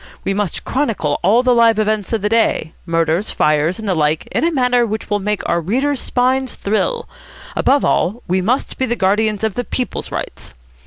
We must chronicle all the live events of the day, murders, fires, and the like in a manner which will make our readers' spines thrill. Above all, we must be the guardians of the People's rights.